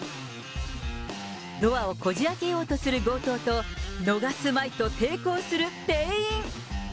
ドアをこじあけようとする強盗と、逃すまいと抵抗する店員。